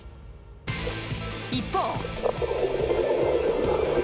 一方。